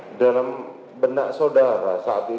di dalam benak saudara saat itu